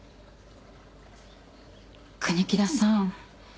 国木田さん